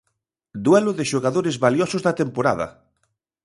Duelo de xogadores valiosos da temporada.